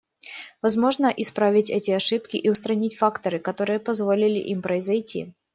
Важно исправить эти ошибки и устранить факторы, которые позволили им произойти.